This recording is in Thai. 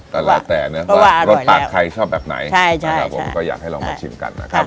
แต่แล้วแต่เนี่ยรสปากใครชอบแบบไหนผมก็อยากให้ลองมาชิมกันนะครับ